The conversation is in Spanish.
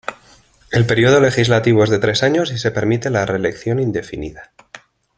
El período legislativo es de tres años y se permite la reelección indefinida.